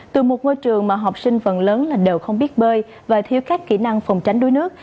từ một ngôi trường mà học sinh phần lớn là đều không biết bơi và thiếu các kỹ năng phòng tránh đuối nước